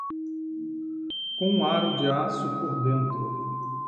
com um aro de aço por dentro